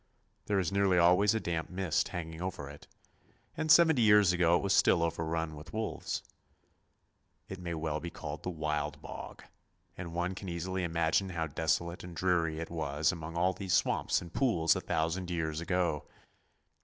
There is nearly always a damp mist hanging over it, and seventy years ago it was still overrun with wolves. It may well be called the Wild Bog, and one can easily imagine how desolate and dreary it was among all these swamps and pools a thousand years ago.